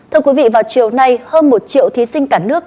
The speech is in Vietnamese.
thưa quý vị vào chiều nay hơn một triệu thí sinh cả nước